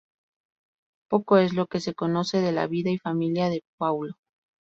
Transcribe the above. Poco es lo que se conoce de la vida y familia de Paulo.